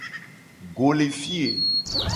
Go le fi ye.